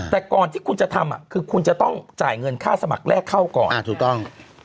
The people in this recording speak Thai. แต่ก่อนที่คุณจะทำคือคุณจะต้องจ่ายเงินค่าสมัครแรกเข้าก่อนถูกต้อง